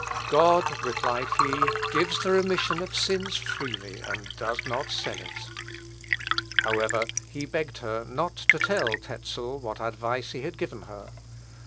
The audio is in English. "God," replied he, "gives the remission of sins freely, and does not sell it." However, he begged her not to tell Tezel what advice he had given her.